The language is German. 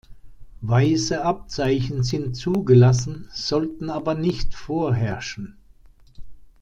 Weiße Abzeichen sind zugelassen, sollten aber nicht vorherrschen.